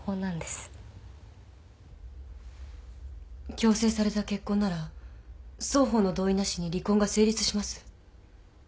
強制された結婚なら双方の同意なしに離婚が成立します。